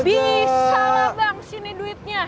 bisa lah bang sini duitnya